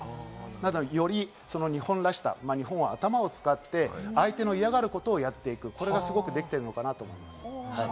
より日本らしさ、日本は頭を使って相手の嫌がることをやっていく、これがすごくできているのかなと思います。